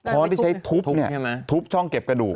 ค้อนที่ใช้ทุบเนี่ยทุบช่องเก็บกระดูก